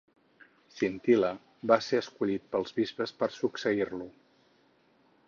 Chintila va ser escollit pels bisbes per succeir-lo.